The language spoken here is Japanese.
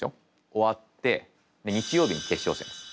終わって日曜日に決勝戦です。